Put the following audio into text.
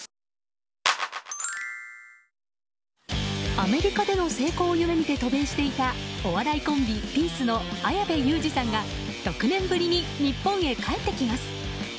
アメリカでの成功を夢見て渡米していたお笑いコンビ・ピースの綾部祐二さんが６年ぶりに日本へ帰ってきます。